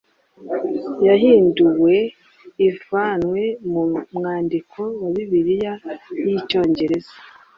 yahinduwe ivanywe mu mwandiko wa bibiliya y icyongereza